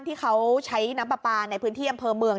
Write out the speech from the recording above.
ที่เขาใช้น้ำปลาปลาในพื้นที่อำเภอเมือง